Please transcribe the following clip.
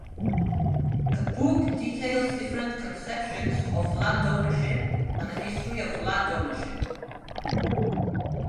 The book details different conceptions of land ownership and the history of land ownership.